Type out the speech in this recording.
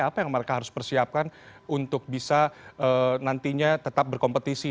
apa yang mereka harus persiapkan untuk bisa nantinya tetap berkompetisi